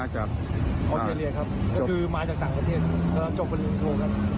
เกือบของพี่สาวครับ